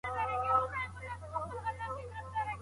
شرعیاتو پوهنځۍ په زوره نه تحمیلیږي.